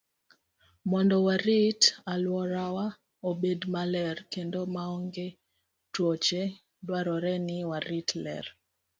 Mondo warit alworawa obed maler kendo maonge tuoche, dwarore ni warit ler.